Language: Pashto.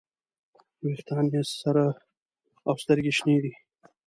ویښتان یې سره او سترګې یې شنې دي.